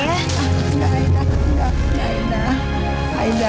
nggak aida nggak aida